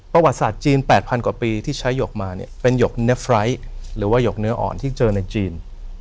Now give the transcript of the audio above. ประวัติศาสตร์จีน๘๐๐กว่าปีที่ใช้หยกมาเนี่ยเป็นหยกเน็ตไฟล์หรือว่าหยกเนื้ออ่อนที่เจอในจีน